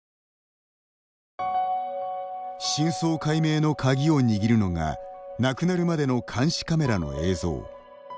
真相解明の鍵を握るのが亡くなるまでの監視カメラの映像。